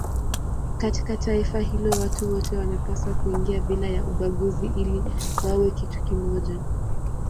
Katika taifa hilo watu wote wanapaswa kuingia bila ya ubaguzi ili wawe kitu kimoja.